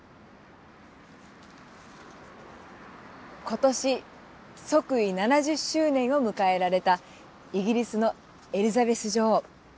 今年即位７０周年を迎えられたイギリスのエリザベス女王。